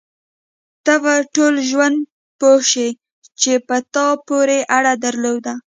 ته به په ټول ژوند پوه شې چې په تا پورې اړه درلوده.